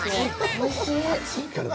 おいしい。